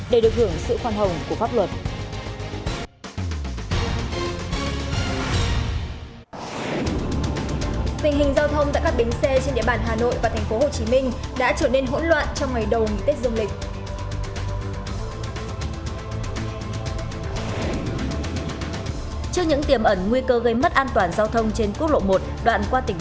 để được hưởng sự khoan hồng của pháp luật